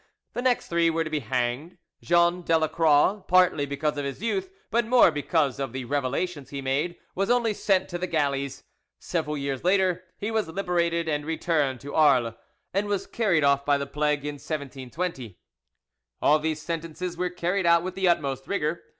The next three were to be hanged. Jean Delacroix, partly because of his youth, but more because of the revelations he made, was only sent to the galleys. Several years later he was liberated and returned to Arles, and was carried off by the plague in 1720. All these sentences were carried out with the utmost rigour.